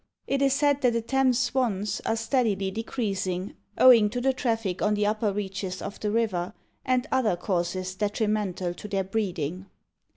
It is said that the Thames swans are steadily decreasing owing to the traffic on the upper reaches of the river, and other causes detrimental to their breeding."